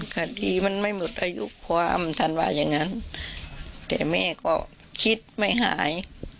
คดีมันไม่หมดอายุความท่านว่าอย่างนั้นแต่แม่ก็คิดไม่หาย